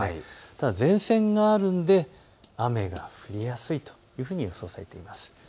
ただ前線があるので雨が降りやすいと予想されています。